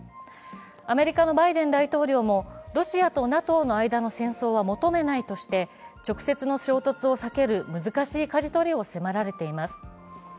アメリカのバイデン大統領もロシアとＮＡＴＯの間の戦争は求めないとして、直接の衝突を避ける難しいかじ取りを迫られています。